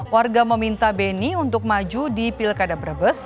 warga meminta beni untuk maju di pilkada brebes